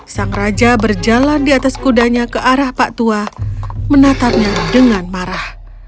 sang raja berjalan di atas kudanya ke arah pak tua menatapnya dengan marah